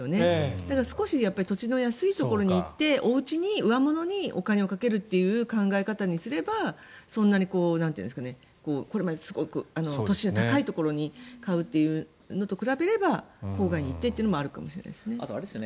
だから少し土地の安いところに行っておうちに上物にお金をかけるという考え方にすればそんなにこれまですごく土地の高いところに買うというのと比べれば郊外に行ってというのもあるかもしれないですよね。